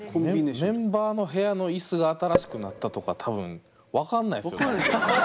メンバーの部屋のイスが新しくなったとか多分分かんないっすよ。